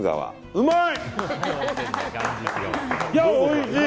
うまい！